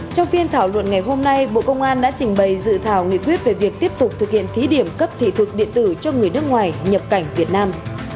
trong phiên thảo luận ngày hôm nay bộ công an đã trình bày dự thảo nghị quyết về việc tiếp tục thực hiện thí điểm cấp thị thực điện tử cho người nước ngoài nhập cảnh việt nam